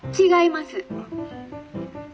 「違います」。